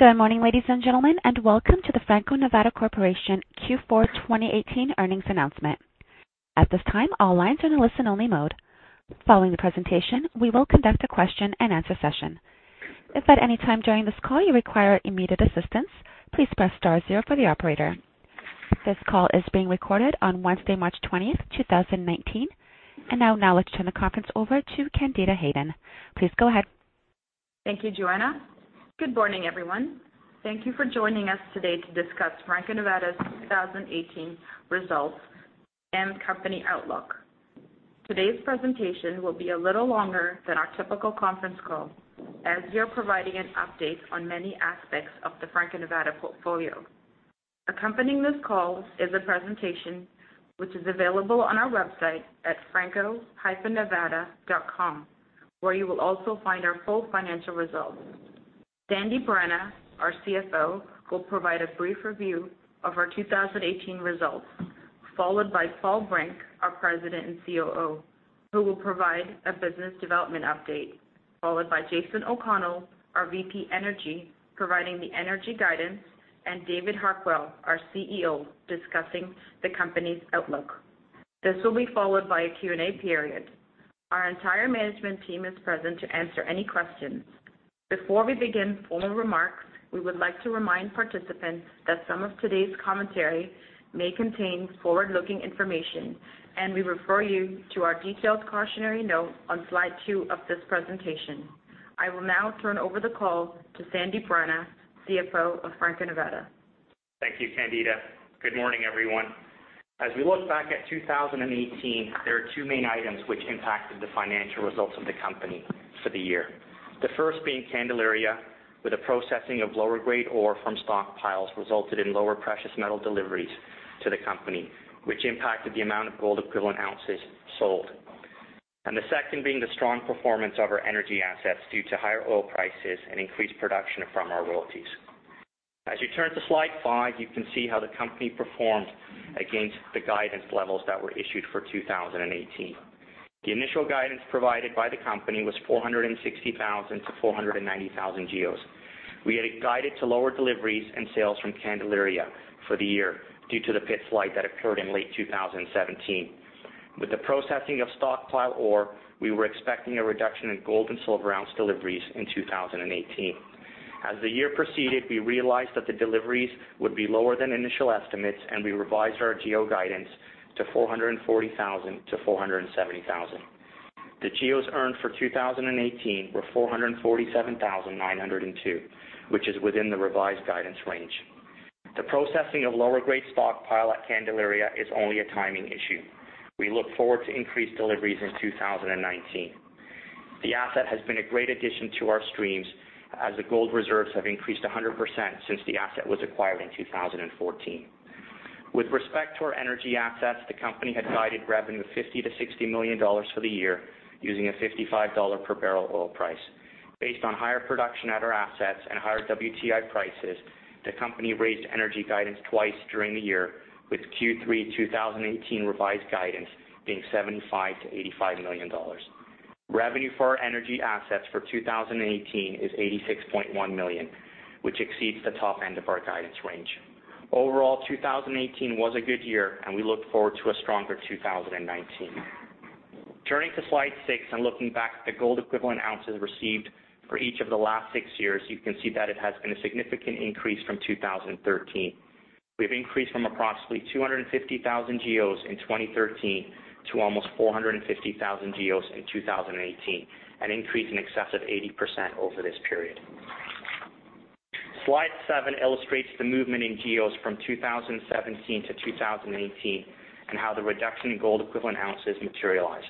Good morning, ladies and gentlemen, welcome to the Franco-Nevada Corporation Q4 2018 earnings announcement. At this time, all lines are in listen only mode. Following the presentation, we will conduct a question and answer session. If at any time during this call you require immediate assistance, please press star zero for the operator. This call is being recorded on Wednesday, March 20th, 2019. Now, let's turn the conference over to Candida Hayden. Please go ahead. Thank you, Joanna. Good morning, everyone. Thank you for joining us today to discuss Franco-Nevada's 2018 results and company outlook. Today's presentation will be a little longer than our typical conference call, as we are providing an update on many aspects of the Franco-Nevada portfolio. Accompanying this call is a presentation which is available on our website at franco-nevada.com, where you will also find our full financial results. Sandip Rana, our CFO, will provide a brief review of our 2018 results, followed by Paul Brink, our President and COO, who will provide a business development update, followed by Jason O'Connell, our VP Energy, providing the energy guidance, David Harquail, our CEO, discussing the company's outlook. This will be followed by a Q&A period. Our entire management team is present to answer any questions. Before we begin formal remarks, we would like to remind participants that some of today's commentary may contain forward-looking information. We refer you to our detailed cautionary note on slide two of this presentation. I will now turn over the call to Sandip Rana, CFO of Franco-Nevada. Thank you, Candida. Good morning, everyone. As we look back at 2018, there are two main items which impacted the financial results of the company for the year. The first being Candelaria, with the processing of lower grade ore from stockpiles resulted in lower precious metal deliveries to the company, which impacted the amount of gold equivalent ounces sold. The second being the strong performance of our energy assets due to higher oil prices and increased production from our royalties. As you turn to slide five, you can see how the company performed against the guidance levels that were issued for 2018. The initial guidance provided by the company was 460,000-490,000 GEOs. We had guided to lower deliveries and sales from Candelaria for the year due to the pit slide that occurred in late 2017. With the processing of stockpile ore, we were expecting a reduction in gold and silver ounce deliveries in 2018. As the year proceeded, we realized that the deliveries would be lower than initial estimates, we revised our GEO guidance to 440,000 to 470,000. The GEOs earned for 2018 were 447,902, which is within the revised guidance range. The processing of lower grade stockpile at Candelaria is only a timing issue. We look forward to increased deliveries in 2019. The asset has been a great addition to our streams as the gold reserves have increased 100% since the asset was acquired in 2014. With respect to our energy assets, the company had guided revenue of $50 million to $60 million for the year using a $55 per barrel oil price. Based on higher production at our assets, higher WTI prices, the company raised energy guidance twice during the year, with Q3 2018 revised guidance being $75 million to $85 million. Revenue for our energy assets for 2018 is $86.1 million, which exceeds the top end of our guidance range. Overall, 2018 was a good year, we look forward to a stronger 2019. Turning to slide six and looking back at the Gold Equivalent Ounces received for each of the last six years, you can see that it has been a significant increase from 2013. We've increased from approximately 250,000 GEOs in 2013 to almost 450,000 GEOs in 2018, an increase in excess of 80% over this period. Slide seven illustrates the movement in GEOs from 2017 to 2018 and how the reduction in Gold Equivalent Ounces materialized.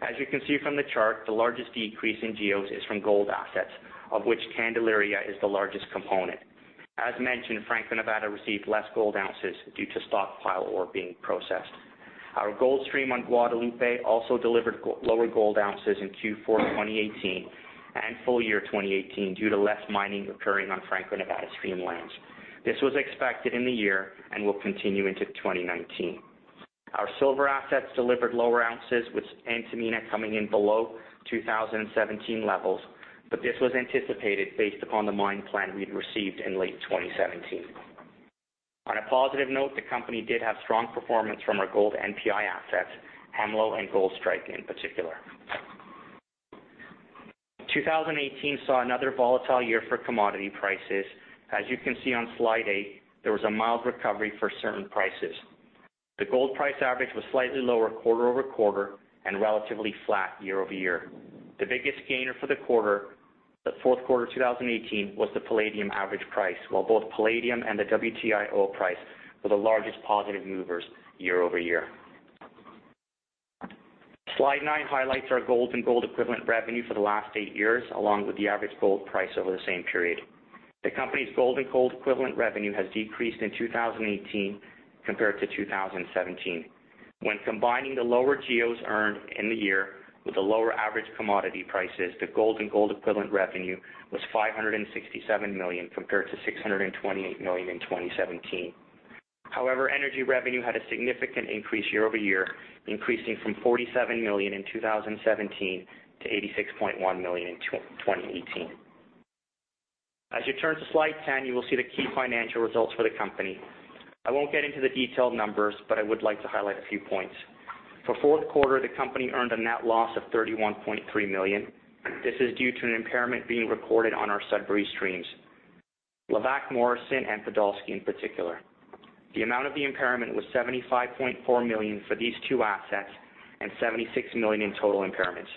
As you can see from the chart, the largest decrease in GEOs is from gold assets, of which Candelaria is the largest component. As mentioned, Franco-Nevada received less gold ounces due to stockpile ore being processed. Our gold stream on Guadalupe also delivered lower gold ounces in Q4 2018 and full year 2018 due to less mining occurring on Franco-Nevada's stream lands. This was expected in the year and will continue into 2019. Our silver assets delivered lower ounces with Antamina coming in below 2017 levels, this was anticipated based upon the mine plan we had received in late 2017. On a positive note, the company did have strong performance from our gold NPI assets, Hemlo and Gold Strike in particular. 2018 saw another volatile year for commodity prices. As you can see on slide eight, there was a mild recovery for certain prices. The gold price average was slightly lower quarter-over-quarter and relatively flat year-over-year. The biggest gainer for the quarter, the fourth quarter 2018, was the palladium average price, while both palladium and the WTI oil price were the largest positive movers year-over-year. Slide nine highlights our gold and Gold Equivalent revenue for the last eight years, along with the average gold price over the same period. The company's gold and Gold Equivalent revenue has decreased in 2018 compared to 2017. When combining the lower GEOs earned in the year with the lower average commodity prices, the gold and Gold Equivalent revenue was $567 million compared to $628 million in 2017. Energy revenue had a significant increase year-over-year, increasing from $47 million in 2017 to $86.1 million in 2018. As you turn to slide 10, you will see the key financial results for the company. I won't get into the detailed numbers, but I would like to highlight a few points. For fourth quarter, the company earned a net loss of $31.3 million. This is due to an impairment being recorded on our Sudbury Streams, Levack, Morrison, and Podolsky in particular. The amount of the impairment was $75.4 million for these two assets and $76 million in total impairments.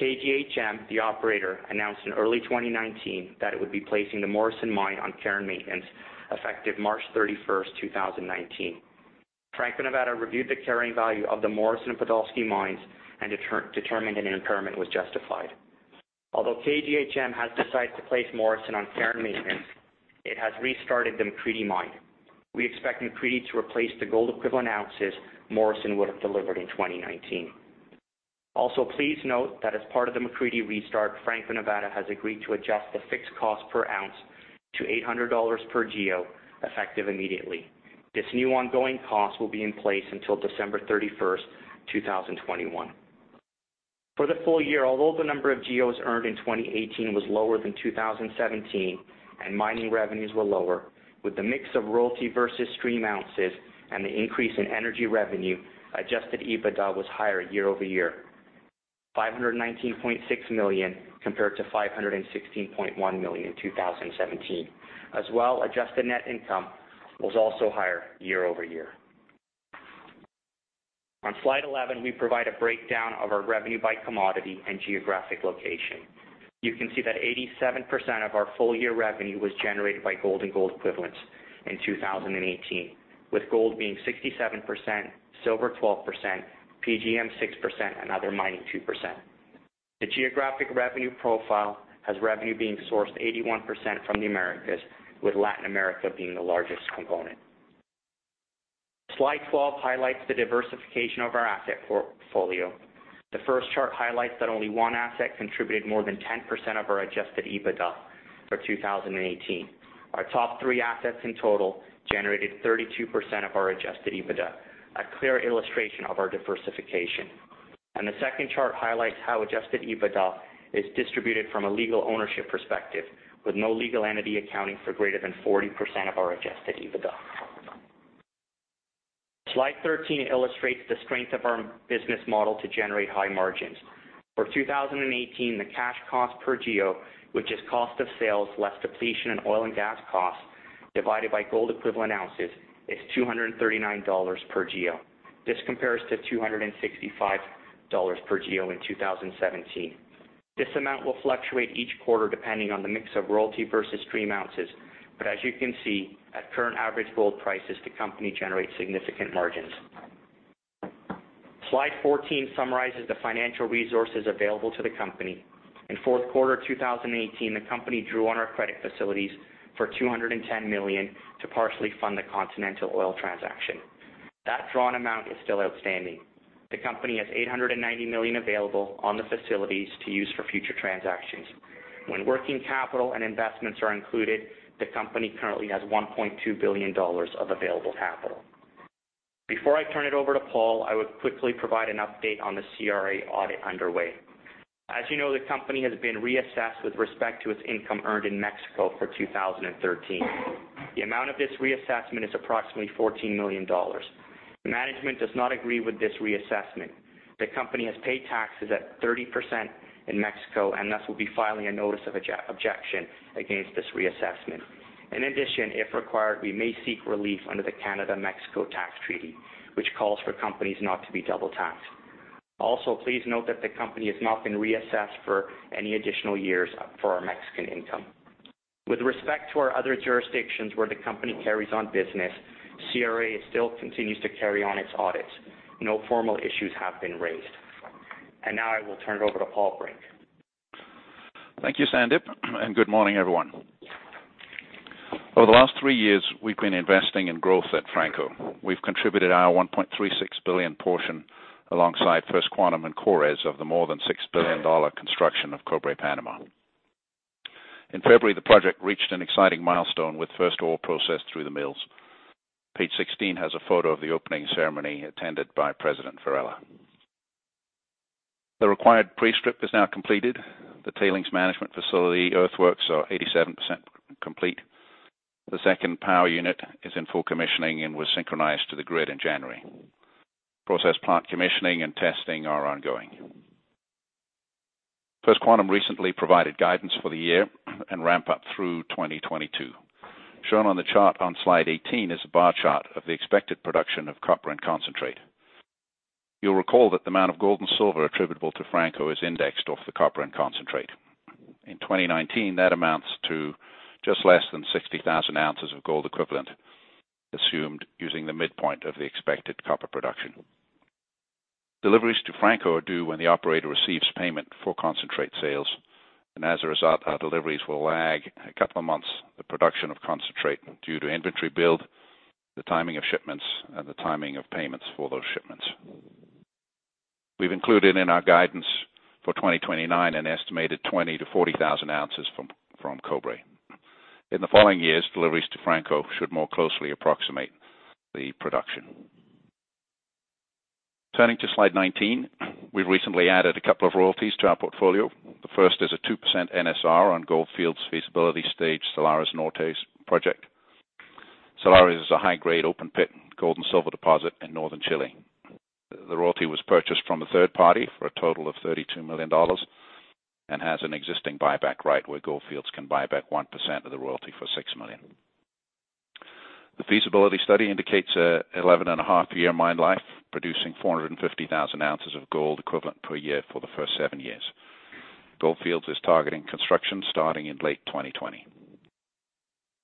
KGHM, the operator, announced in early 2019 that it would be placing the Morrison Mine on care and maintenance effective March 31st, 2019. Franco-Nevada reviewed the carrying value of the Morrison and Podolsky mines and determined an impairment was justified. Although KGHM has decided to place Morrison on care and maintenance, it has restarted the McCreedy Mine. We expect McCreedy to replace the gold equivalent ounces Morrison would have delivered in 2019. Also, please note that as part of the McCreedy restart, Franco-Nevada has agreed to adjust the fixed cost per ounce to $800 per GEO, effective immediately. This new ongoing cost will be in place until December 31st, 2021. For the full year, although the number of GEOs earned in 2018 was lower than 2017 and mining revenues were lower, with the mix of royalty versus stream ounces and the increase in energy revenue, adjusted EBITDA was higher year-over-year, $519.6 million compared to $516.1 million in 2017. As well, adjusted net income was also higher year-over-year. On slide 11, we provide a breakdown of our revenue by commodity and geographic location. You can see that 87% of our full-year revenue was generated by gold and gold equivalents in 2018, with gold being 67%, silver 12%, PGM 6%, and other mining 2%. The geographic revenue profile has revenue being sourced 81% from the Americas, with Latin America being the largest component. Slide 12 highlights the diversification of our asset portfolio. The first chart highlights that only one asset contributed more than 10% of our adjusted EBITDA for 2018. Our top three assets in total generated 32% of our adjusted EBITDA, a clear illustration of our diversification. The second chart highlights how adjusted EBITDA is distributed from a legal ownership perspective, with no legal entity accounting for greater than 40% of our adjusted EBITDA. Slide 13 illustrates the strength of our business model to generate high margins. For 2018, the cash cost per GEO, which is cost of sales less depletion and oil and gas costs divided by gold equivalent ounces, is $239 per GEO. This compares to $265 per GEO in 2017. This amount will fluctuate each quarter depending on the mix of royalty versus stream ounces. As you can see, at current average gold prices, the company generates significant margins. Slide 14 summarizes the financial resources available to the company. In fourth quarter 2018, the company drew on our credit facilities for $210 million to partially fund the Continental Resources transaction. That drawn amount is still outstanding. The company has $890 million available on the facilities to use for future transactions. When working capital and investments are included, the company currently has $1.2 billion of available capital. Before I turn it over to Paul, I would quickly provide an update on the CRA audit underway. As you know, the company has been reassessed with respect to its income earned in Mexico for 2013. The amount of this reassessment is approximately $14 million. Management does not agree with this reassessment. The company has paid taxes at 30% in Mexico and thus will be filing a notice of objection against this reassessment. In addition, if required, we may seek relief under the Canada-Mexico Tax Treaty, which calls for companies not to be double taxed. Please note that the company has not been reassessed for any additional years for our Mexican income. With respect to our other jurisdictions where the company carries on business, CRA still continues to carry on its audits. No formal issues have been raised. Now I will turn it over to Paul Brink. Thank you, Sandip, and good morning, everyone. Over the last three years, we've been investing in growth at Franco-Nevada. We've contributed our $1.36 billion portion alongside First Quantum and KORES of the more than $6 billion construction of Cobre Panama. In February, the project reached an exciting milestone with first ore processed through the mills. Page 16 has a photo of the opening ceremony attended by President Varela. The required pre-strip is now completed. The tailings management facility earthworks are 87% complete. The second power unit is in full commissioning and was synchronized to the grid in January. Process plant commissioning and testing are ongoing. First Quantum recently provided guidance for the year and ramp up through 2022. Shown on the chart on slide 18 is a bar chart of the expected production of copper and concentrate. You'll recall that the amount of gold and silver attributable to Franco-Nevada is indexed off the copper and concentrate. In 2019, that amounts to just less than 60,000 ounces of gold equivalent, assumed using the midpoint of the expected copper production. Deliveries to Franco-Nevada are due when the operator receives payment for concentrate sales, as a result, our deliveries will lag a couple of months the production of concentrate due to inventory build, the timing of shipments, and the timing of payments for those shipments. We've included in our guidance for 2029 an estimated 20,000-40,000 ounces from Cobre. In the following years, deliveries to Franco-Nevada should more closely approximate the production. Turning to slide 19. We've recently added a couple of royalties to our portfolio. The first is a 2% NSR on Gold Fields' feasibility stage Salares Norte project. Salares Norte is a high-grade open pit gold and silver deposit in northern Chile. The royalty was purchased from a third party for a total of $32 million and has an existing buyback right where Gold Fields can buy back 1% of the royalty for $6 million. The feasibility study indicates an 11.5 year mine life, producing 450,000 ounces of gold equivalent per year for the first seven years. Gold Fields is targeting construction starting in late 2020.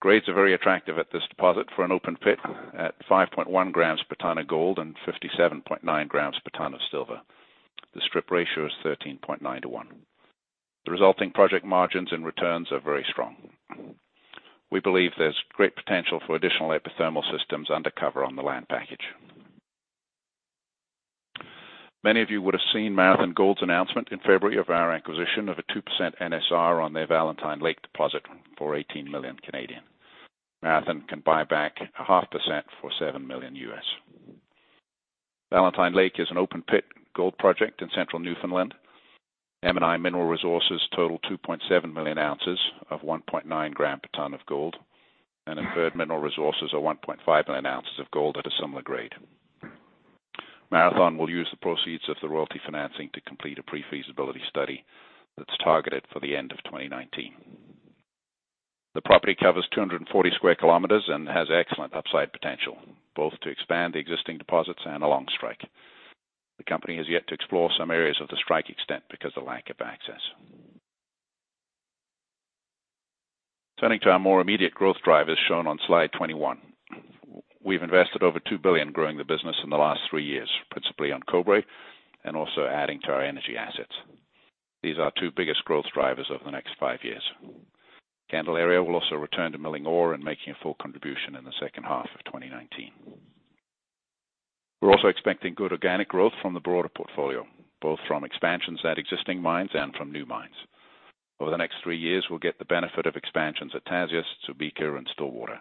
Grades are very attractive at this deposit for an open pit at 5.1 grams per tonne of gold and 57.9 grams per tonne of silver. The strip ratio is 13.9:1. The resulting project margins and returns are very strong. We believe there's great potential for additional epithermal systems under cover on the land package. Many of you would have seen Marathon Gold's announcement in February of our acquisition of a 2% NSR on their Valentine Lake deposit for 18 million. Marathon can buy back a 0.5% for $7 million U.S. Valentine Lake is an open pit gold project in central Newfoundland. M&I mineral resources total 2.7 million ounces of 1.9 gram per tonne of gold, and inferred mineral resources are 1.5 million ounces of gold at a similar grade. Marathon will use the proceeds of the royalty financing to complete a pre-feasibility study that's targeted for the end of 2019. The property covers 240 square kilometers and has excellent upside potential, both to expand the existing deposits and along strike. The company has yet to explore some areas of the strike extent because of lack of access. Turning to our more immediate growth drivers shown on slide 21. We've invested over $2 billion growing the business in the last 3 years, principally on Cobre and also adding to our energy assets. These are our 2 biggest growth drivers over the next 5 years. Candelaria will also return to milling ore and making a full contribution in the second half of 2019. We're also expecting good organic growth from the broader portfolio, both from expansions at existing mines and from new mines. Over the next 3 years, we'll get the benefit of expansions at Tasiast, Subika, and Stillwater.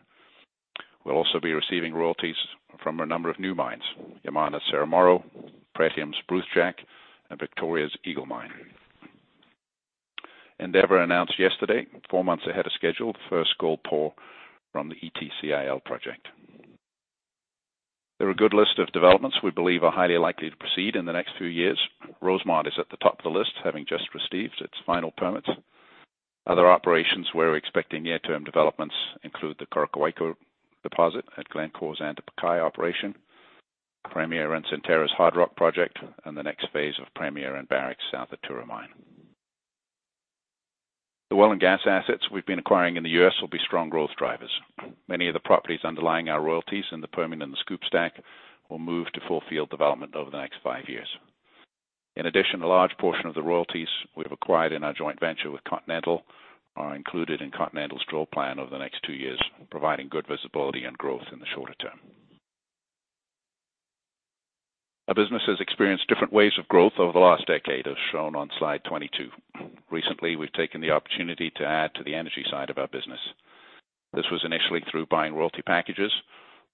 We'll also be receiving royalties from a number of new mines, Yamana's Cerro Moro, Pretium's Brucejack, and Victoria's Eagle Mine. Endeavour announced yesterday, 4 months ahead of schedule, first gold pour from the Ity CIL project. There are a good list of developments we believe are highly likely to proceed in the next few years. Rosemont is at the top of the list, having just received its final permits. Other operations where we're expecting near-term developments include the Kurikandja deposit at Glencore's Antapaccay operation, Premier and Centerra's Hardrock project, and the next phase of Premier and Barrick's South Arturo mine. The oil and gas assets we've been acquiring in the U.S. will be strong growth drivers. Many of the properties underlying our royalties in the Permian and the SCOOP/STACK will move to full field development over the next 5 years. In addition, a large portion of the royalties we have acquired in our joint venture with Continental are included in Continental's drill plan over the next 2 years, providing good visibility and growth in the shorter term. Our business has experienced different waves of growth over the last decade, as shown on slide 22. Recently, we've taken the opportunity to add to the energy side of our business. This was initially through buying royalty packages,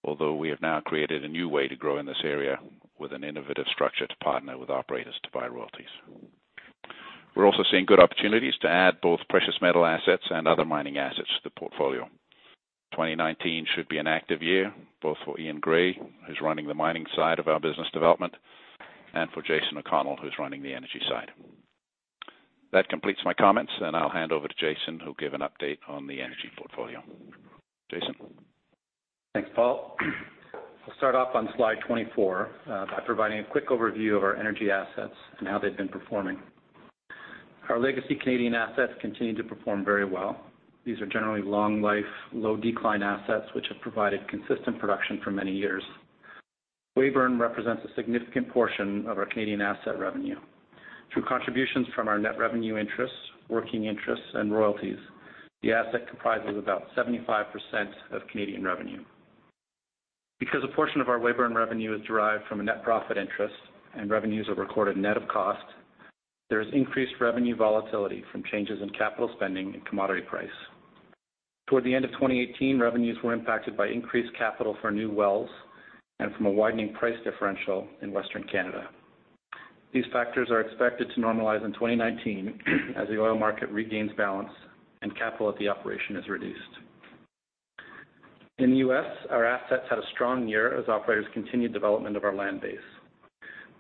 although we have now created a new way to grow in this area with an innovative structure to partner with operators to buy royalties. We're also seeing good opportunities to add both precious metal assets and other mining assets to the portfolio. 2019 should be an active year, both for Eaun Gray, who's running the mining side of our business development, and for Jason O'Connell, who's running the energy side. That completes my comments, and I'll hand over to Jason, who'll give an update on the energy portfolio. Jason? Thanks, Paul. I'll start off on slide 24 by providing a quick overview of our energy assets and how they've been performing. Our legacy Canadian assets continue to perform very well. These are generally long life, low decline assets which have provided consistent production for many years. Weyburn represents a significant portion of our Canadian asset revenue. Through contributions from our net revenue interests, working interests, and royalties, the asset comprises about 75% of Canadian revenue. Because a portion of our Weyburn revenue is derived from a net profit interest and revenues are recorded net of cost, there is increased revenue volatility from changes in capital spending and commodity price. Toward the end of 2018, revenues were impacted by increased capital for new wells and from a widening price differential in Western Canada. These factors are expected to normalize in 2019 as the oil market regains balance and capital at the operation is reduced. In the U.S., our assets had a strong year as operators continued development of our land base.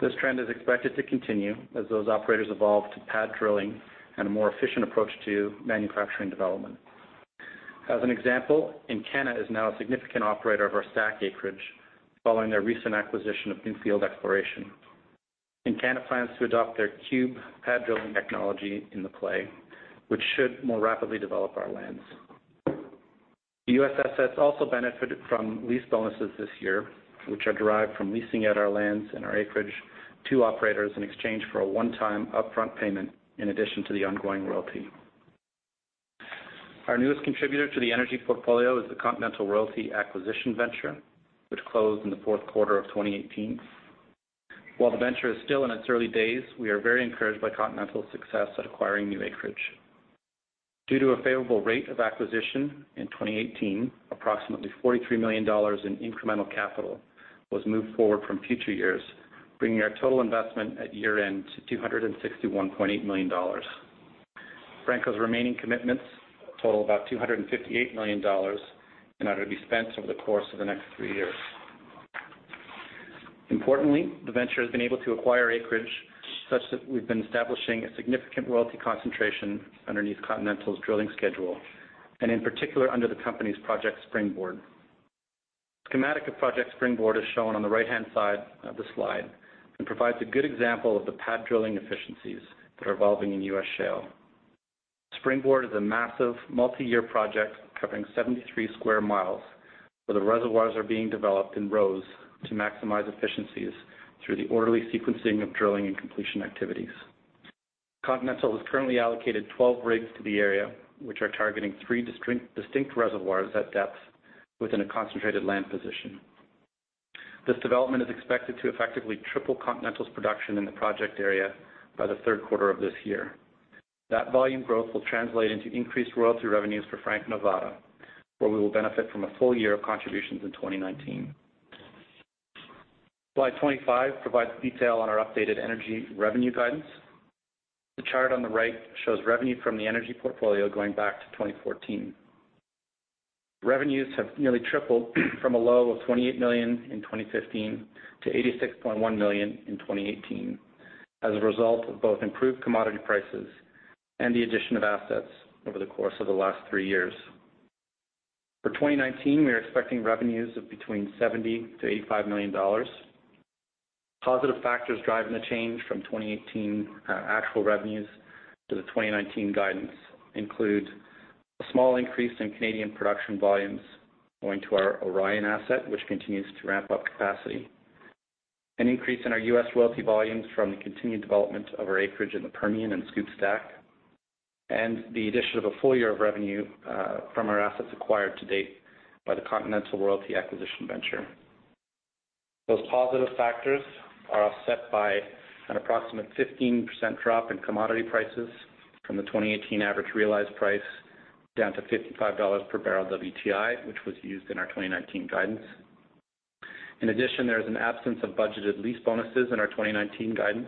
This trend is expected to continue as those operators evolve to pad drilling and a more efficient approach to manufacturing development. As an example, Encana is now a significant operator of our STACK acreage following their recent acquisition of Newfield Exploration. Encana plans to adopt their CUBE pad drilling technology in the play, which should more rapidly develop our lands. The U.S. assets also benefited from lease bonuses this year, which are derived from leasing out our lands and our acreage to operators in exchange for a one-time upfront payment in addition to the ongoing royalty. Our newest contributor to the energy portfolio is the Continental Royalty Acquisition Venture, which closed in the fourth quarter of 2018. While the venture is still in its early days, we are very encouraged by Continental's success at acquiring new acreage. Due to a favorable rate of acquisition in 2018, approximately $43 million in incremental capital was moved forward from future years, bringing our total investment at year-end to $261.8 million. Franco's remaining commitments total about $258 million, and that'll be spent over the course of the next three years. Importantly, the venture has been able to acquire acreage such that we've been establishing a significant royalty concentration underneath Continental's drilling schedule, and in particular, under the company's Project SpringBoard. Schematic of Project SpringBoard is shown on the right-hand side of the slide and provides a good example of the pad drilling efficiencies that are evolving in U.S. shale. SpringBoard is a massive multi-year project covering 73 sq mi, where the reservoirs are being developed in rows to maximize efficiencies through the orderly sequencing of drilling and completion activities. Continental has currently allocated 12 rigs to the area, which are targeting three distinct reservoirs at depth within a concentrated land position. This development is expected to effectively triple Continental's production in the project area by the third quarter of this year. That volume growth will translate into increased royalty revenues for Franco-Nevada, where we will benefit from a full year of contributions in 2019. Slide 25 provides detail on our updated energy revenue guidance. The chart on the right shows revenue from the energy portfolio going back to 2014. Revenues have nearly tripled from a low of $28 million in 2015 to $86.1 million in 2018 as a result of both improved commodity prices and the addition of assets over the course of the last three years. For 2019, we are expecting revenues of between $70 million-$85 million. Positive factors driving the change from 2018 actual revenues to the 2019 guidance include a small increase in Canadian production volumes owing to our Orion asset, which continues to ramp up capacity. An increase in our U.S. royalty volumes from the continued development of our acreage in the Permian and SCOOP/STACK, and the addition of a full year of revenue from our assets acquired to date by the Continental Royalty Acquisition Venture. Those positive factors are offset by an approximate 15% drop in commodity prices from the 2018 average realized price down to $55 per barrel WTI, which was used in our 2019 guidance. In addition, there is an absence of budgeted lease bonuses in our 2019 guidance.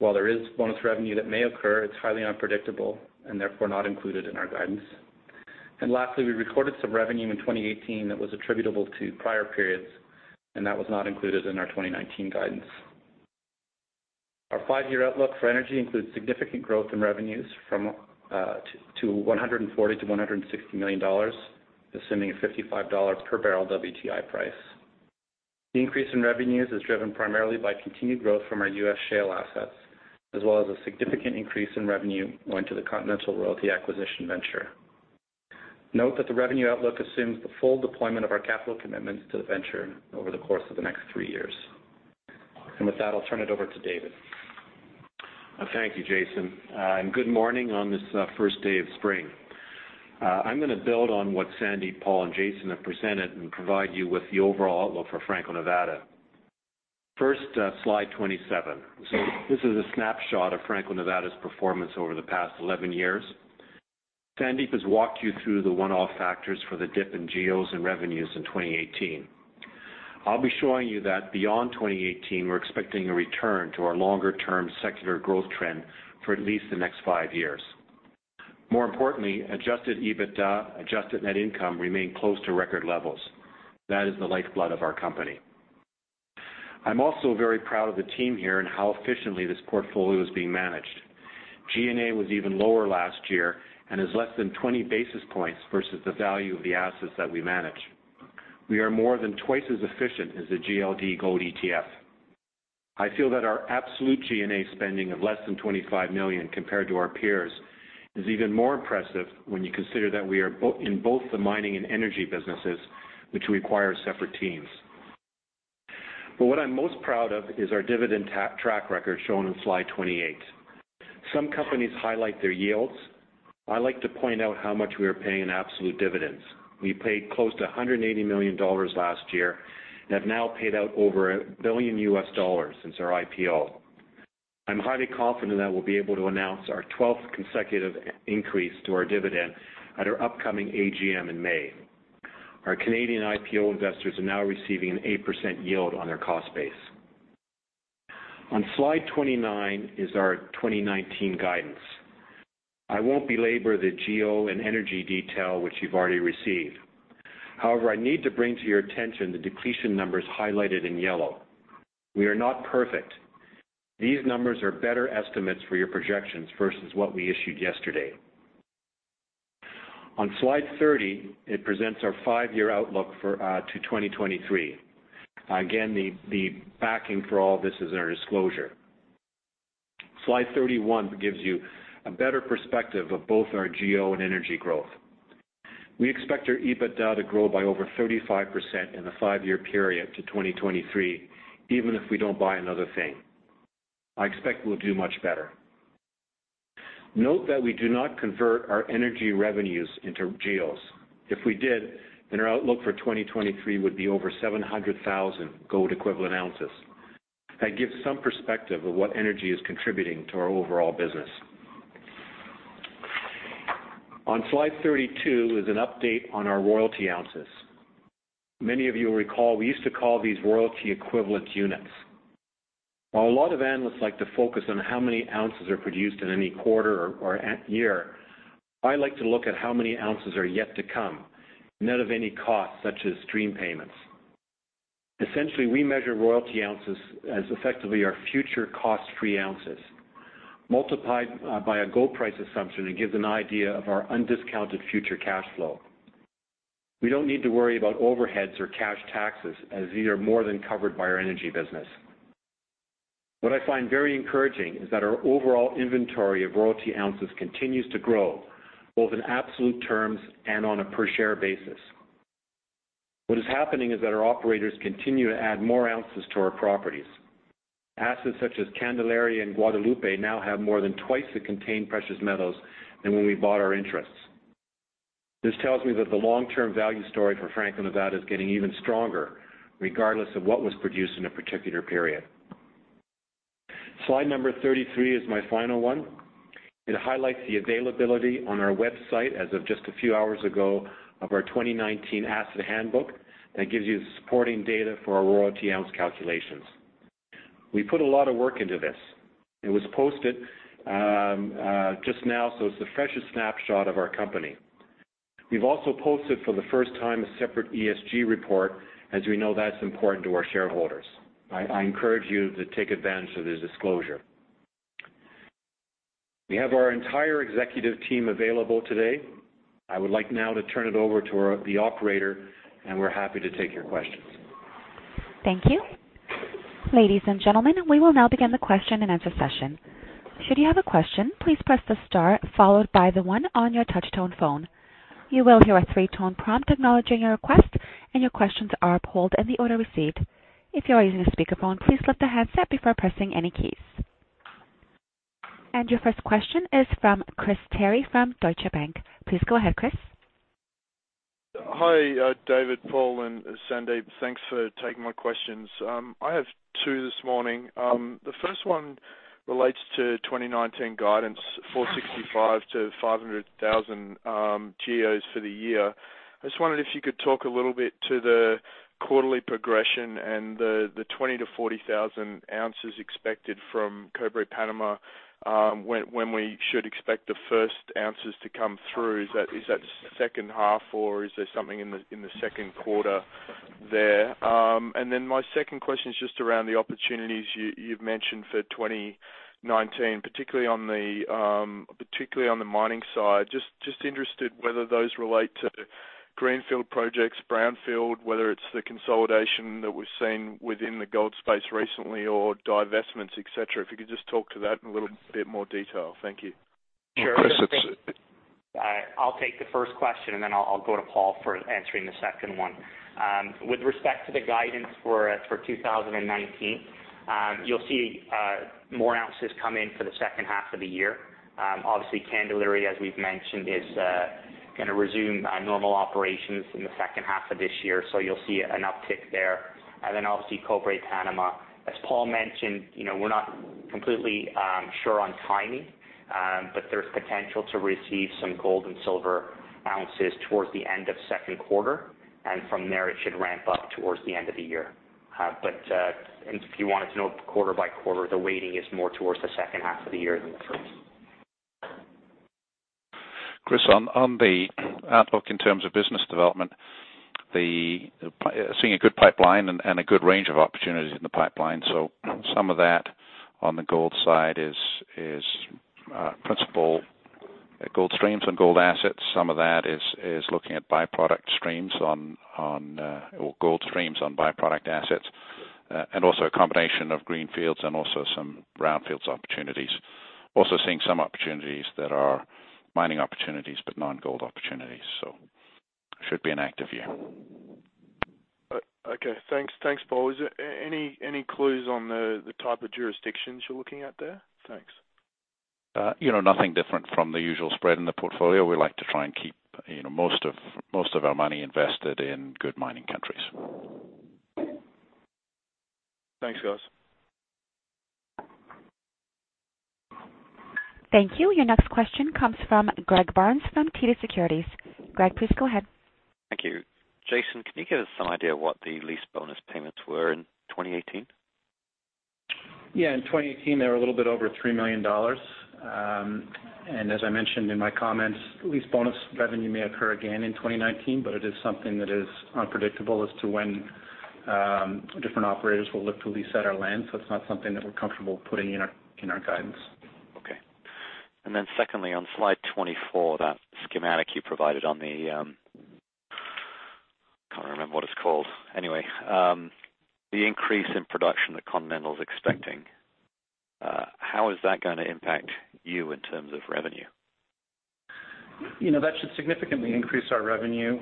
While there is bonus revenue that may occur, it's highly unpredictable and therefore not included in our guidance. Lastly, we recorded some revenue in 2018 that was attributable to prior periods, and that was not included in our 2019 guidance. Our five-year outlook for energy includes significant growth in revenues from $140 million-$160 million, assuming a $55 per barrel WTI price. The increase in revenues is driven primarily by continued growth from our U.S. shale assets, as well as a significant increase in revenue owing to the Continental Royalty Acquisition Venture. Note that the revenue outlook assumes the full deployment of our capital commitments to the venture over the course of the next three years. With that, I'll turn it over to David. Thank you, Jason. Good morning on this first day of spring. I'm going to build on what Sandip, Paul, and Jason have presented and provide you with the overall outlook for Franco-Nevada. Slide 27. This is a snapshot of Franco-Nevada's performance over the past 11 years. Sandip has walked you through the one-off factors for the dip in GEOs and revenues in 2018. I'll be showing you that beyond 2018, we're expecting a return to our longer-term secular growth trend for at least the next five years. More importantly, adjusted EBITDA, adjusted net income remain close to record levels. That is the lifeblood of our company. I'm also very proud of the team here and how efficiently this portfolio is being managed. G&A was even lower last year and is less than 20 basis points versus the value of the assets that we manage. We are more than twice as efficient as the GLD gold ETF. I feel that our absolute G&A spending of less than $25 million compared to our peers is even more impressive when you consider that we are in both the mining and energy businesses, which require separate teams. What I'm most proud of is our dividend track record, shown on slide 28. Some companies highlight their yields. I like to point out how much we are paying in absolute dividends. We paid close to $180 million last year and have now paid out over $1 billion since our IPO. I'm highly confident that we'll be able to announce our 12th consecutive increase to our dividend at our upcoming AGM in May. Our Canadian IPO investors are now receiving an 8% yield on their cost base. On slide 29 is our 2019 guidance. I won't belabor the GEO and energy detail which you've already received. However, I need to bring to your attention the depletion numbers highlighted in yellow. We are not perfect. These numbers are better estimates for your projections versus what we issued yesterday. On slide 30, it presents our five-year outlook to 2023. Again, the backing for all this is in our disclosure. Slide 31 gives you a better perspective of both our GEO and energy growth. We expect our EBITDA to grow by over 35% in the five-year period to 2023, even if we don't buy another thing. I expect we'll do much better. Note that we do not convert our energy revenues into GEOs. If we did, then our outlook for 2023 would be over 700,000 gold equivalent ounces. That gives some perspective of what energy is contributing to our overall business. On slide 32 is an update on our royalty ounces. Many of you will recall, we used to call these royalty equivalent units. While a lot of analysts like to focus on how many ounces are produced in any quarter or year, I like to look at how many ounces are yet to come, net of any costs such as stream payments. Essentially, we measure royalty ounces as effectively our future cost-free ounces. Multiplied by a gold price assumption, it gives an idea of our undiscounted future cash flow. We don't need to worry about overheads or cash taxes, as these are more than covered by our energy business. What I find very encouraging is that our overall inventory of royalty ounces continues to grow, both in absolute terms and on a per share basis. What is happening is that our operators continue to add more ounces to our properties. Assets such as Candelaria and Guadalupe now have more than twice the contained precious metals than when we bought our interests. This tells me that the long-term value story for Franco-Nevada is getting even stronger, regardless of what was produced in a particular period. Slide number 33 is my final one. It highlights the availability on our website, as of just a few hours ago, of our 2019 Asset Handbook that gives you the supporting data for our royalty ounce calculations. We put a lot of work into this. It was posted just now, so it's the freshest snapshot of our company. We've also posted, for the first time, a separate ESG report, as we know that's important to our shareholders. I encourage you to take advantage of this disclosure. We have our entire executive team available today. I would like now to turn it over to the operator. We're happy to take your questions. Thank you. Ladies and gentlemen, we will now begin the question and answer session. Should you have a question, please press the star followed by the one on your touch tone phone. You will hear a three-tone prompt acknowledging your request. Your questions are polled in the order received. If you are using a speakerphone, please lift the handset before pressing any keys. Your first question is from Chris Terry from Deutsche Bank. Please go ahead, Chris. Hi, David, Paul, and Sandip. Thanks for taking my questions. I have two this morning. The first one relates to 2019 guidance, 465,000-500,000 GEOs for the year. I just wondered if you could talk a little bit to the quarterly progression and the 20,000-40,000 ounces expected from Cobre Panama, when we should expect the first ounces to come through. Is that second half, or is there something in the second quarter there? My second question is just around the opportunities you've mentioned for 2019, particularly on the mining side. Just interested whether those relate to greenfield projects, brownfield, whether it's the consolidation that we've seen within the gold space recently or divestments, et cetera. If you could just talk to that in a little bit more detail. Thank you. Sure. Chris, it's Jason. I'll take the first question. I'll go to Paul for answering the second one. With respect to the guidance for 2019, you'll see more ounces come in for the second half of the year. Obviously Candelaria, as we've mentioned, is going to resume normal operations in the second half of this year. You'll see an uptick there. Obviously Cobre Panama, as Paul mentioned, we're not completely sure on timing, but there's potential to receive some gold and silver ounces towards the end of second quarter. From there, it should ramp up towards the end of the year. If you wanted to know quarter by quarter, the weighting is more towards the second half of the year than the first. Chris, on the outlook in terms of business development, seeing a good pipeline and a good range of opportunities in the pipeline. Some of that on the gold side is principal gold streams and gold assets. Some of that is looking at byproduct streams, or gold streams on byproduct assets, and also a combination of greenfields and also some brownfields opportunities. Also seeing some opportunities that are mining opportunities but non-gold opportunities. Should be an active year. Okay. Thanks, Paul. Is there any clues on the type of jurisdictions you're looking at there? Thanks. Nothing different from the usual spread in the portfolio. We like to try and keep most of our money invested in good mining countries. Thanks, guys. Thank you. Your next question comes from Greg Barnes from TD Securities. Greg, please go ahead. Thank you. Jason, can you give us some idea of what the lease bonus payments were in 2018? Yeah. In 2018, they were a little bit over $3 million. As I mentioned in my comments, lease bonus revenue may occur again in 2019, but it is something that is unpredictable as to when different operators will look to lease out our land. It's not something that we're comfortable putting in our guidance. Okay. Secondly, on slide 24, that schematic you provided on the it's called. Anyway, the increase in production that Continental's expecting, how is that going to impact you in terms of revenue? That should significantly increase our revenue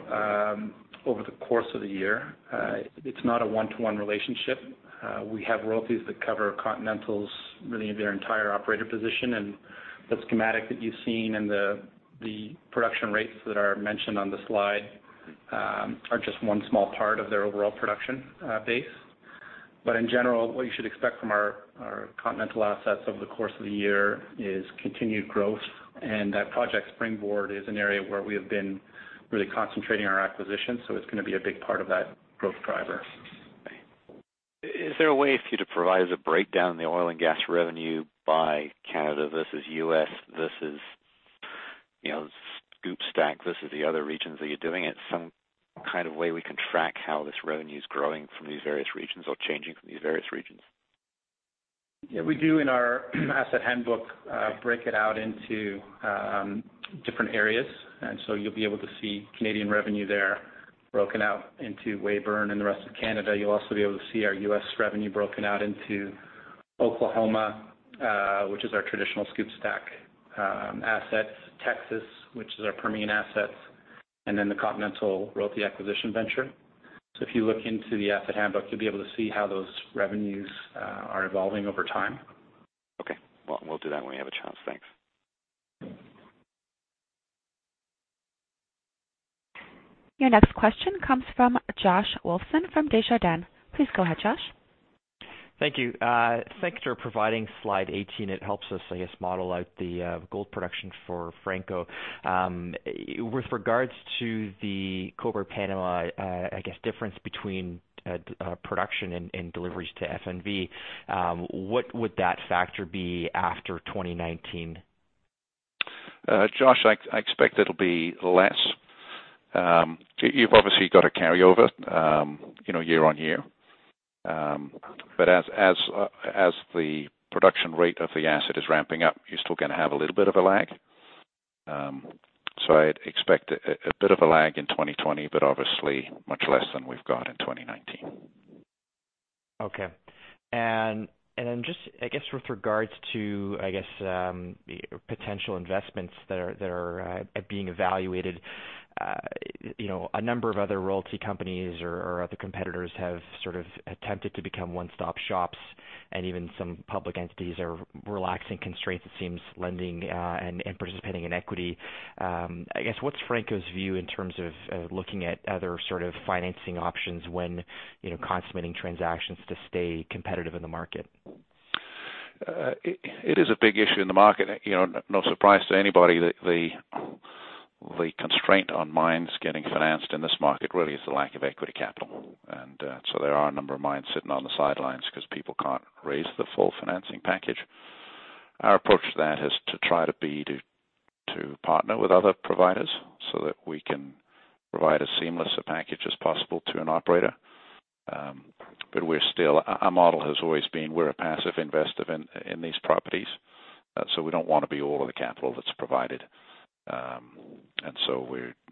over the course of the year. It's not a one-to-one relationship. We have royalties that cover Continental's, really their entire operator position, and the schematic that you've seen and the production rates that are mentioned on the slide are just one small part of their overall production base. In general, what you should expect from our Continental assets over the course of the year is continued growth, and that Project Springboard is an area where we have been really concentrating our acquisitions, so it's going to be a big part of that growth driver. Is there a way for you to provide us a breakdown of the oil and gas revenue by Canada versus U.S. versus, SCOOP/STACK versus the other regions that you're doing it? Some kind of way we can track how this revenue's growing from these various regions or changing from these various regions? We do in our asset handbook, break it out into different areas, so you'll be able to see Canadian revenue there broken out into Weyburn and the rest of Canada. You'll also be able to see our U.S. revenue broken out into Oklahoma, which is our traditional SCOOP/STACK assets, Texas, which is our Permian assets, and then the Continental Royalty Acquisition Venture. If you look into the asset handbook, you'll be able to see how those revenues are evolving over time. Okay. Well, we'll do that when we have a chance. Thanks. Your next question comes from Josh Wolfson from Desjardins. Please go ahead, Josh. Thank you. Thanks for providing slide 18. It helps us, I guess, model out the gold production for Franco. With regards to the Cobre Panama, I guess, difference between production and deliveries to FNV, what would that factor be after 2019? Josh, I expect it'll be less. You've obviously got a carryover year on year. As the production rate of the asset is ramping up, you're still going to have a little bit of a lag. I'd expect a bit of a lag in 2020, but obviously much less than we've got in 2019. Okay. Just, I guess, with regards to potential investments that are being evaluated, a number of other royalty companies or other competitors have sort of attempted to become one-stop shops and even some public entities are relaxing constraints, it seems, lending and participating in equity. I guess, what's Franco's view in terms of looking at other sort of financing options when consummating transactions to stay competitive in the market? It is a big issue in the market. Not a surprise to anybody that the constraint on mines getting financed in this market really is the lack of equity capital. There are a number of mines sitting on the sidelines because people can't raise the full financing package. Our approach to that has to try to be to partner with other providers so that we can provide as seamless a package as possible to an operator. Our model has always been, we're a passive investor in these properties. We don't want to be all of the capital that's provided.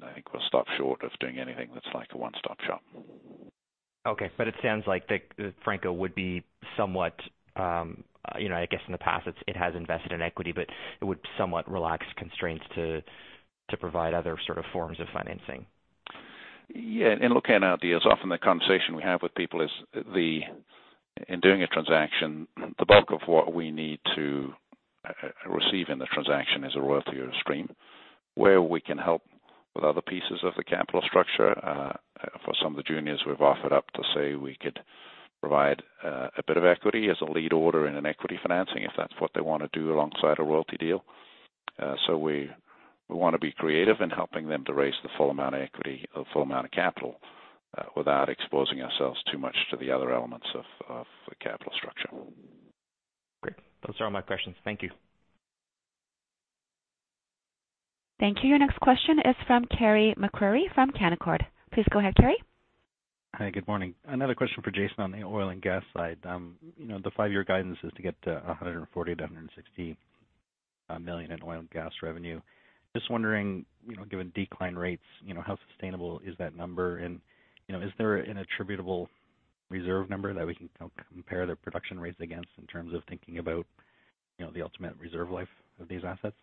I think we'll stop short of doing anything that's like a one-stop shop. Okay, it sounds like Franco would be somewhat I guess in the past, it has invested in equity, it would somewhat relax constraints to provide other forms of financing. Yeah, in looking at ideas, often the conversation we have with people is, in doing a transaction, the bulk of what we need to receive in the transaction is a royalty or a stream. Where we can help with other pieces of the capital structure, for some of the juniors, we've offered up to say we could provide a bit of equity as a lead order in an equity financing if that's what they want to do alongside a royalty deal. We want to be creative in helping them to raise the full amount of capital without exposing ourselves too much to the other elements of the capital structure. Great. Those are all my questions. Thank you. Thank you. Your next question is from Carey MacRury from Canaccord. Please go ahead, Carey. Hi, good morning. Another question for Jason on the oil and gas side. The 5-year guidance is to get to $140 million-$160 million in oil and gas revenue. Just wondering, given decline rates, how sustainable is that number? Is there an attributable reserve number that we can compare their production rates against in terms of thinking about the ultimate reserve life of these assets?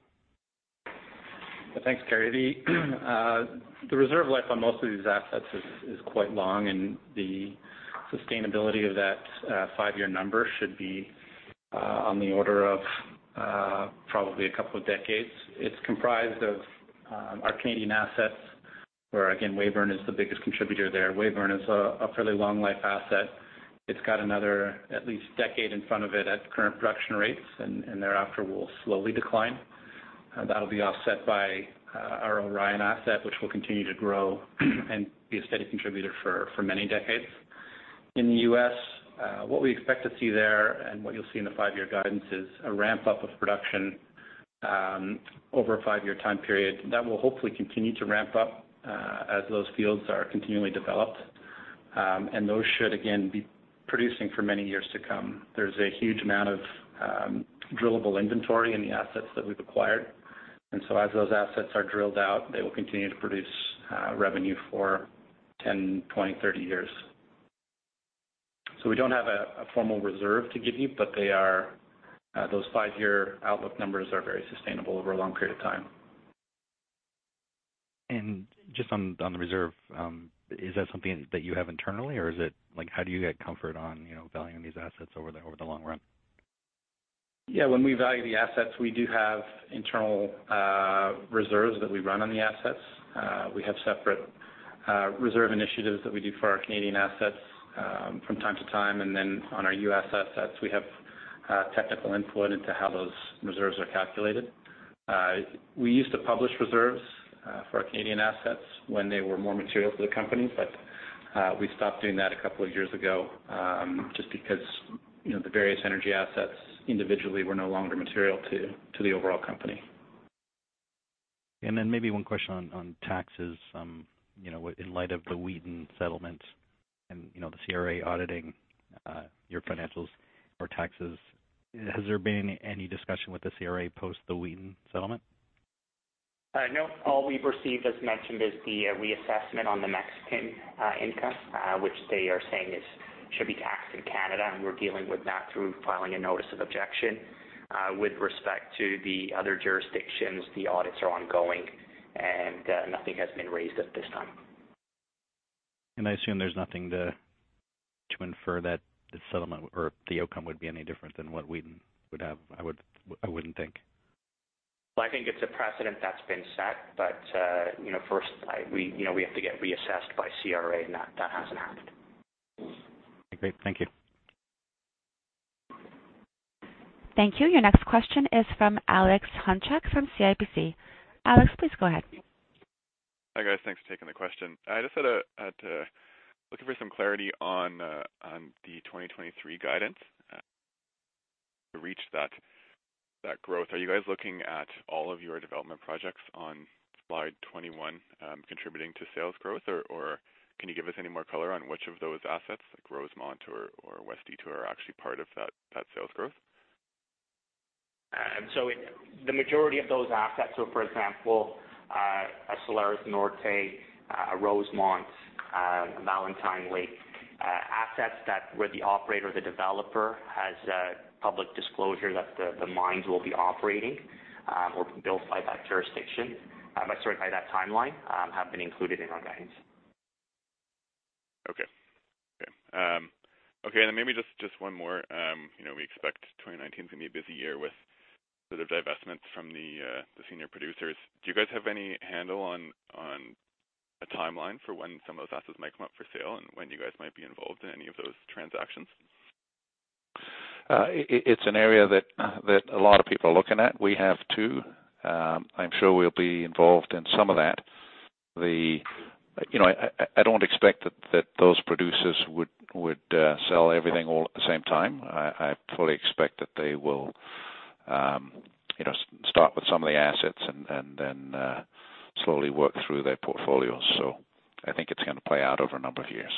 Thanks, Carey. The reserve life on most of these assets is quite long, and the sustainability of that 5-year number should be on the order of probably a couple of decades. It's comprised of our Canadian assets, where again, Weyburn is the biggest contributor there. Weyburn is a fairly long life asset. It's got another at least decade in front of it at current production rates, and thereafter will slowly decline. That'll be offset by our Orion asset, which will continue to grow and be a steady contributor for many decades. In the U.S., what we expect to see there, and what you'll see in the 5-year guidance, is a ramp-up of production over a 5-year time period. That will hopefully continue to ramp up as those fields are continually developed. Those should again, be producing for many years to come. There's a huge amount of drillable inventory in the assets that we've acquired. As those assets are drilled out, they will continue to produce revenue for 10, 20, 30 years. We don't have a formal reserve to give you, but those five-year outlook numbers are very sustainable over a long period of time. Just on the reserve, is that something that you have internally, or how do you get comfort on valuing these assets over the long run? Yeah. When we value the assets, we do have internal reserves that we run on the assets. We have separate reserve initiatives that we do for our Canadian assets from time to time. On our U.S. assets, we have technical input into how those reserves are calculated. We used to publish reserves for our Canadian assets when they were more material to the company, but we stopped doing that a couple of years ago, just because the various energy assets individually were no longer material to the overall company. Maybe one question on taxes. In light of the Wheaton settlement and the CRA auditing your financials or taxes, has there been any discussion with the CRA post the Wheaton settlement? No, all we've received, as mentioned, is the reassessment on the Mexican income, which they are saying should be taxed in Canada, and we're dealing with that through filing a notice of objection. With respect to the other jurisdictions, the audits are ongoing and nothing has been raised at this time. I assume there's nothing to infer that the settlement or the outcome would be any different than what Wheaton would have. I wouldn't think. Well, I think it's a precedent that's been set, but first, we have to get reassessed by CRA, and that hasn't happened. Okay. Thank you. Thank you. Your next question is from Alex Hunchak from CIBC. Alex, please go ahead. Hi, guys. Thanks for taking the question. I just looking for some clarity on the 2023 guidance. To reach that growth, are you guys looking at all of your development projects on slide 21 contributing to sales growth? Or can you give us any more color on which of those assets, like Rosemont or West Detour, are actually part of that sales growth? The majority of those assets are, for example, Salares Norte, Rosemont, Valentine Lake. Assets that where the operator, the developer, has public disclosure that the mines will be operating or built by that jurisdiction, sorry, by that timeline, have been included in our guidance. Okay. Maybe just one more. We expect 2019 is going to be a busy year with the divestments from the senior producers. Do you guys have any handle on a timeline for when some of those assets might come up for sale and when you guys might be involved in any of those transactions? It's an area that a lot of people are looking at. We have, too. I'm sure we'll be involved in some of that. I don't expect that those producers would sell everything all at the same time. I fully expect that they will start with some of the assets and then slowly work through their portfolios. I think it's going to play out over a number of years.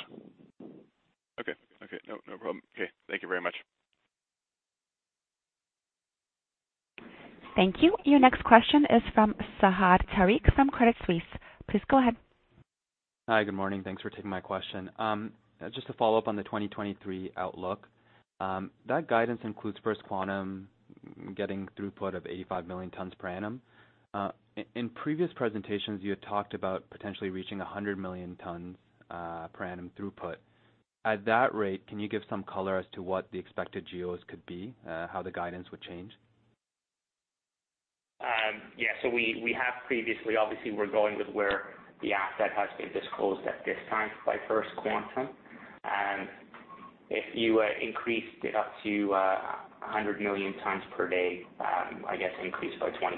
Okay. No problem. Okay, thank you very much. Thank you. Your next question is from Fahad Tariq from Credit Suisse. Please go ahead. Hi. Good morning. Thanks for taking my question. Just to follow up on the 2023 outlook, that guidance includes First Quantum getting throughput of 85 million tons per annum. In previous presentations, you had talked about potentially reaching 100 million tons per annum throughput. At that rate, can you give some color as to what the expected GEOs could be, how the guidance would change? Yeah, we have previously, obviously, we're going with where the asset has been disclosed at this time by First Quantum. If you increased it up to 100 million tons per day, I guess increase by 25%.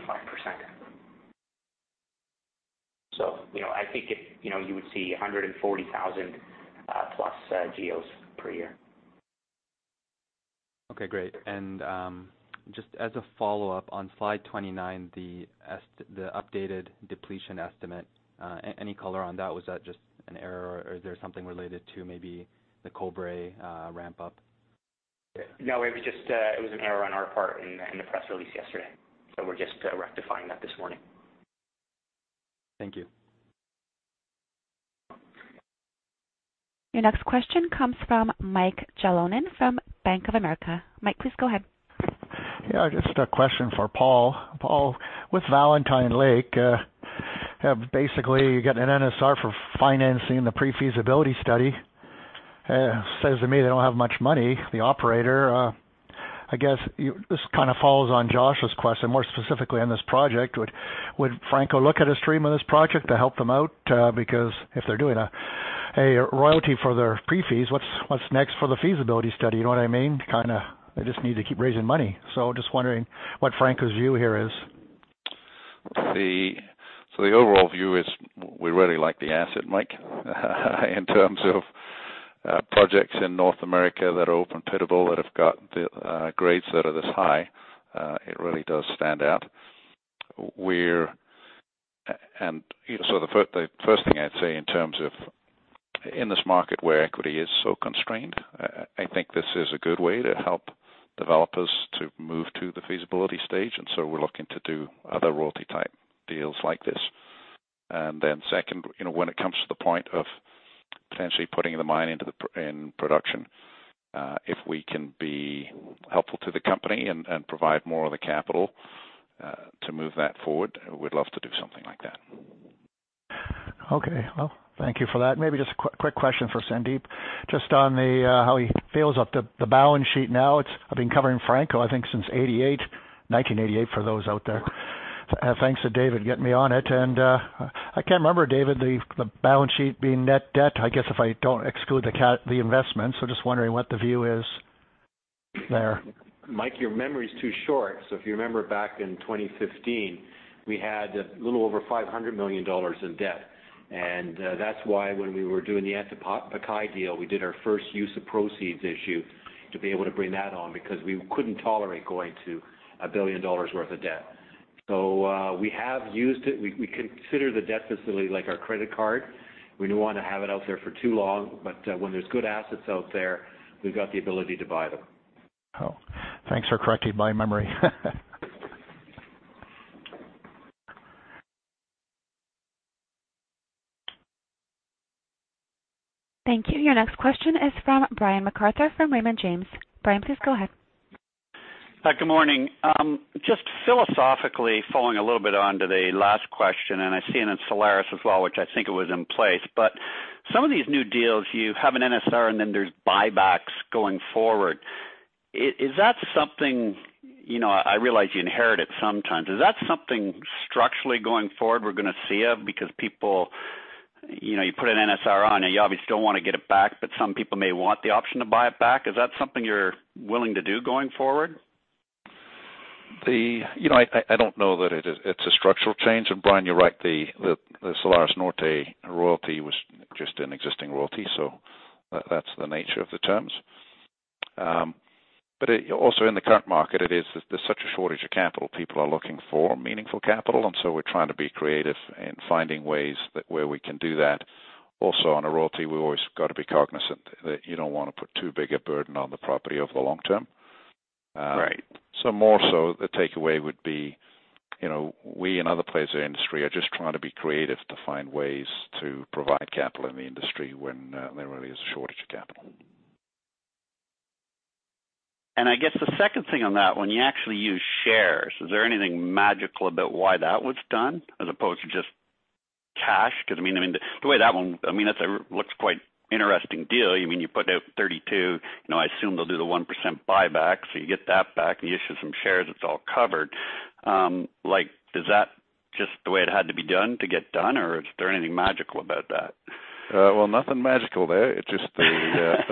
I think you would see 140,000 plus GEOs per year. Okay, great. Just as a follow-up, on slide 29, the updated depletion estimate, any color on that? Was that just an error, or is there something related to maybe the Cobre Panama ramp-up? No, it was an error on our part in the press release yesterday. We're just rectifying that this morning. Thank you. Your next question comes from Mike Jalonen from Bank of America. Mike, please go ahead. Just a question for Paul. Paul, with Valentine Lake, basically, you got an NSR for financing the pre-feasibility study. Says to me they don't have much money, the operator. I guess this kind of follows on Josh's question, more specifically on this project. Would Franco look at a stream of this project to help them out? Because if they're doing a royalty for their pre-fees, what's next for the feasibility study? You know what I mean? They just need to keep raising money. Just wondering what Franco's view here is. The overall view is we really like the asset, Mike, in terms of projects in North America that are open pit-able, that have got grades that are this high, it really does stand out. The first thing I'd say in terms of in this market where equity is so constrained, I think this is a good way to help developers to move to the feasibility stage. The second, when it comes to the point of potentially putting the mine in production, if we can be helpful to the company and provide more of the capital, to move that forward, we'd love to do something like that. Okay. Well, thank you for that. Maybe just a quick question for Sandip, just on how he feels about the balance sheet now. I've been covering Franco, I think, since '88, 1988, for those out there. Thanks to David getting me on it. I can't remember, David, the balance sheet being net debt, I guess, if I don't exclude the investments. Just wondering what the view is there. Mike, your memory's too short. If you remember back in 2015, we had a little over $500 million in debt. That's why when we were doing the Antapaccay deal, we did our first use of proceeds issue to be able to bring that on, because we couldn't tolerate going to $1 billion worth of debt. We have used it. We consider the debt facility like our credit card. We don't want to have it out there for too long, when there's good assets out there, we've got the ability to buy them. Oh. Thanks for correcting my memory. Thank you. Your next question is from Brian MacArthur from Raymond James. Brian, please go ahead. Hi, good morning. Philosophically following a little bit onto the last question, I've seen in Salares Norte as well, which I think it was in place, some of these new deals, you have an NSR, then there's buybacks going forward. I realize you inherit it sometimes. Is that something structurally going forward we're going to see of because people, you put an NSR on and you obviously don't want to get it back, some people may want the option to buy it back. Is that something you're willing to do going forward? I don't know that it's a structural change. Brian, you're right, the Salares Norte royalty was just an existing royalty. That's the nature of the terms. Also in the current market, there's such a shortage of capital. People are looking for meaningful capital, we're trying to be creative in finding ways where we can do that. Also, on a royalty, we've always got to be cognizant that you don't want to put too big a burden on the property over the long term. Right. More so the takeaway would be, we and other players in the industry are just trying to be creative to find ways to provide capital in the industry when there really is a shortage of capital. I guess the second thing on that, when you actually use shares, is there anything magical about why that was done as opposed to just cash? The way that one, what's quite interesting deal. You put out 32, I assume they'll do the 1% buyback. You get that back, you issue some shares, it's all covered. Is that just the way it had to be done to get done, or is there anything magical about that? Nothing magical there. It's just the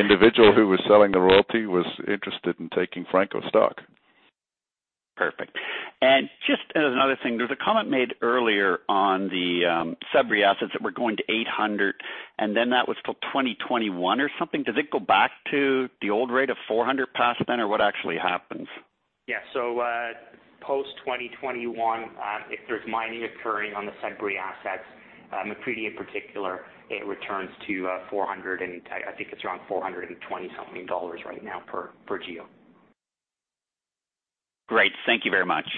individual who was selling the royalty was interested in taking Franco stock. Perfect. Just as another thing, there was a comment made earlier on the Sudbury assets that were going to 800, and then that was till 2021 or something. Does it go back to the old rate of 400 past then, or what actually happens? Yeah. Post 2021, if there's mining occurring on the Sudbury assets, McCreedy in particular, it returns to, I think it's around $420 something right now per GEO. Great. Thank you very much.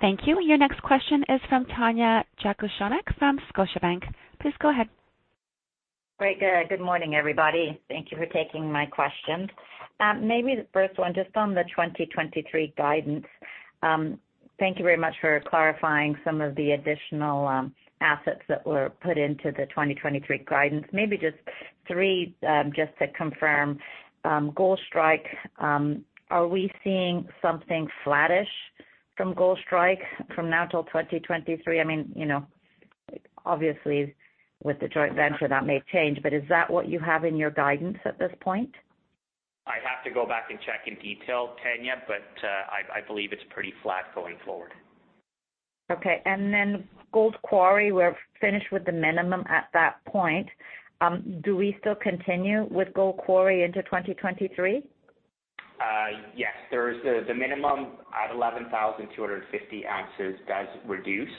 Thank you. Your next question is from Tanya Jakusconek from Scotiabank. Please go ahead. Great. Good morning, everybody. Thank you for taking my questions. Maybe the first one, just on the 2023 guidance. Thank you very much for clarifying some of the additional assets that were put into the 2023 guidance. Maybe just three, just to confirm. Gold Strike, are we seeing something flattish from Gold Strike from now till 2023? Obviously, with the joint venture, that may change, but is that what you have in your guidance at this point? I'd have to go back and check in detail, Tanya, but I believe it's pretty flat going forward. Okay. Then Gold Quarry, we're finished with the minimum at that point. Do we still continue with Gold Quarry into 2023? Yes. The minimum at 11,250 ounces does reduce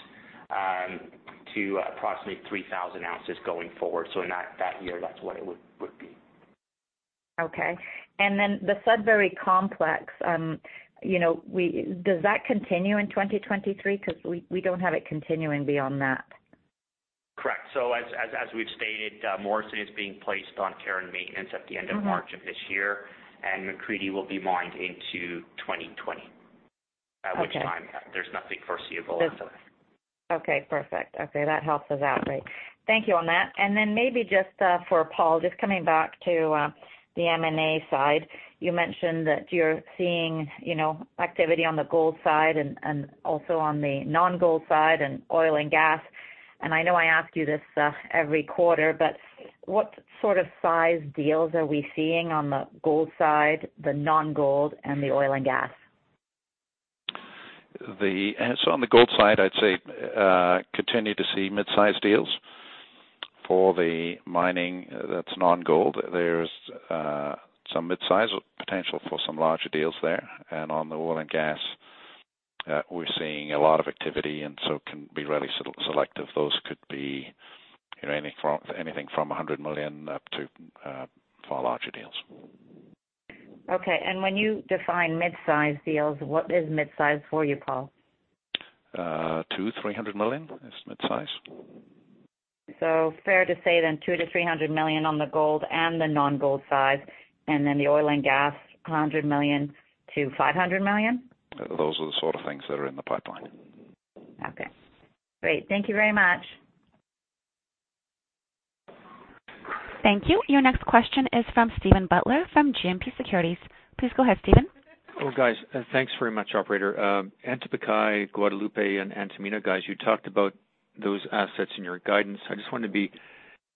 to approximately 3,000 ounces going forward. In that year, that's what it would be. Okay. The Sudbury complex, does that continue in 2023, because we don't have it continuing beyond that. Correct. As we've stated, Morrison is being placed on care and maintenance at the end of March of this year, and McCreedy will be mined into 2020. Okay. At which time there's nothing foreseeable after that. Okay, perfect. Okay, that helps us out. Great. Thank you on that. Maybe just for Paul, just coming back to the M&A side. You mentioned that you're seeing activity on the gold side and also on the non-gold side and oil and gas. I know I ask you this every quarter, but what sort of size deals are we seeing on the gold side, the non-gold, and the oil and gas? On the gold side, I'd say, continue to see mid-size deals. For the mining that's non-gold, there's some mid-size potential for some larger deals there. On the oil and gas, we're seeing a lot of activity and so can be really selective. Those could be anything from $100 million up to far larger deals. Okay. When you define mid-size deals, what is mid-size for you, Paul? $200 million, $300 million is mid-size. Fair to say then $200 million-$300 million on the gold and the non-gold side, and then the oil and gas, $100 million-$500 million? Those are the sort of things that are in the pipeline. Great. Thank you very much. Thank you. Your next question is from Steven Butler from GMP Securities. Please go ahead, Steven. Well, guys, thanks very much, operator. Antapaccay, Guadalupe, and Antamina, guys, you talked about those assets in your guidance. I just wanted to be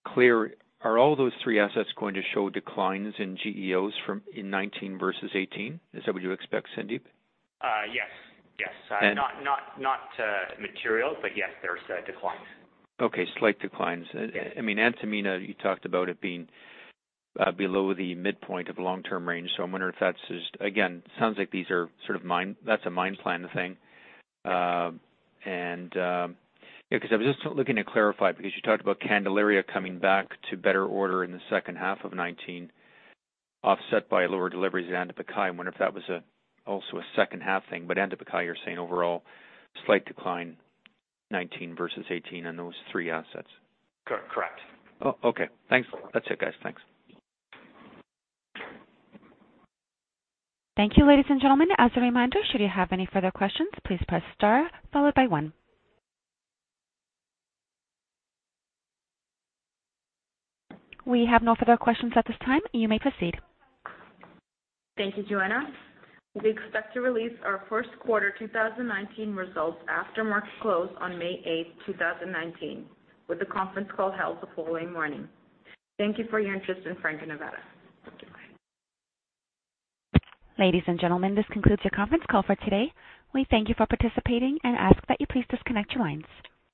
clear, are all those three assets going to show declines in GEOs in 2019 versus 2018? Is that what you expect, Sandip? Yes. Not material, but yes, there's declines. Okay, slight declines. Yes. Antamina, you talked about it being below the midpoint of long-term range. I'm wondering if that's just, again, sounds like that's a mine plan thing. Because I was just looking to clarify, because you talked about Candelaria coming back to better order in the second half of 2019, offset by lower deliveries at Antapaccay. I wonder if that was also a second half thing. Antapaccay, you're saying overall slight decline 2019 versus 2018 on those three assets. Correct. Oh, okay. Thanks. That's it, guys. Thanks. Thank you, ladies and gentlemen. As a reminder, should you have any further questions, please press star followed by one. We have no further questions at this time. You may proceed. Thank you, Joanna. We expect to release our first quarter 2019 results after market close on May 8th, 2019, with a conference call held the following morning. Thank you for your interest in Franco-Nevada. Goodbye. Ladies and gentlemen, this concludes your conference call for today. We thank you for participating and ask that you please disconnect your lines.